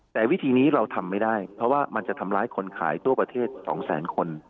แต่วิธีนี้เราทำไม่ได้เพราะว่ามันจะทำร้ายคนขายทั่วประเทศ๒แสนคน